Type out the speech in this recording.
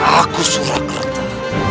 aku surat kerta